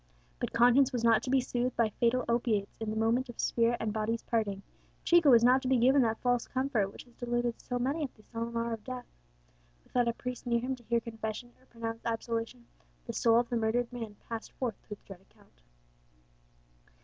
But conscience was not to be soothed by fatal opiates in the moment of spirit and body's parting; Chico was not to be given that false comfort which has deluded so many at the solemn hour of death. Without a priest near him to hear confession or pronounce absolution, the soul of the murdered man passed forth to its dread account.